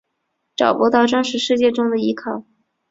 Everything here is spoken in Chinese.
找不到真实世界中的依靠